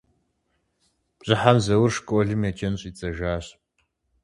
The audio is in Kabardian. Бжьыхьэм Зэур школым еджэн щӀидзэжащ.